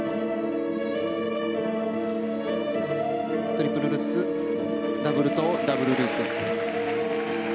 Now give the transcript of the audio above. トリプルルッツダブルトウ、ダブルループ。